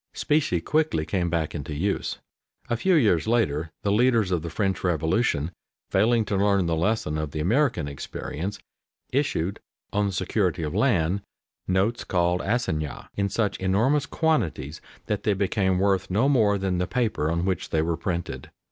Specie quickly came back into use. A few years later the leaders of the French Revolution, failing to learn the lesson of the American experience, issued, on the security of land, notes called assignats in such enormous quantities that they became worth no more than the paper on which they were printed.